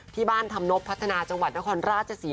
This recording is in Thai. ที่บ้านทำนบพัฒนาจังหวัดนครราชศรี